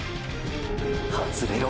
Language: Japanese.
外れろ！！